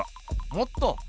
もっと。